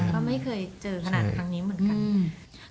ก็ไม่เคยเจอขนาดเฉพาะตัวร่างนี้เหมือนกัน